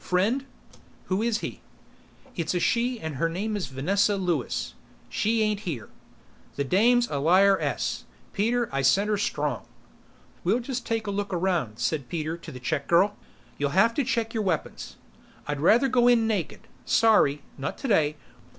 "Friend? Who is he?" "It's a she and her name is Vanessa Lewis." "She ain't here." "The dame's a liar ess, Peter. I scent her strong." "We'll just take a look around," said Peter to the check girl. "You'll have to check your weapons." "I'd rather go in naked. Sorry. Not today.